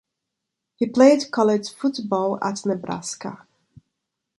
He played college football at Nebraska.